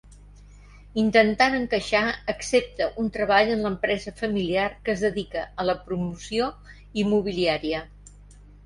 Intentant encaixar accepta un treball en l'empresa familiar que es dedica a la promoció immobiliària.